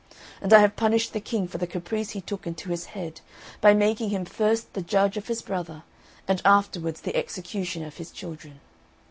And I have punished the King for the caprice he took into his head, by making him first the judge of his brother, and afterwards the executioner of his children.